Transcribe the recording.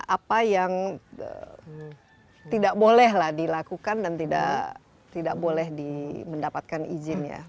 apa yang tidak bolehlah dilakukan dan tidak boleh mendapatkan izin ya